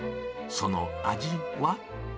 その味は。